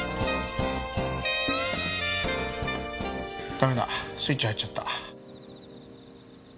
ダメだスイッチ入っちゃった。